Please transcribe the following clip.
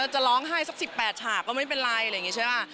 จะร้องไห้สัก๑๘ฉากก็ไม่เป็นไรอะไรอย่างนี้ใช่ป่ะ